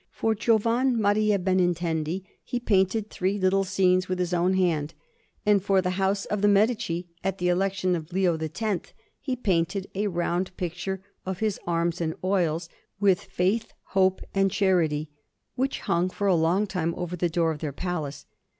For Giovan Maria Benintendi he painted three little scenes with his own hand; and for the house of the Medici, at the election of Leo X, he painted a round picture of his arms, in oils, with Faith, Hope, and Charity, which hung for a long time over the door of their palace.